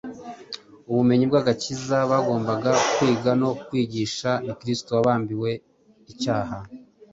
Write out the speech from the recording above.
Ubumenyi bw’agakiza bagombaga kwiga no kwigisha ni Kristo wabambiwe icyaha,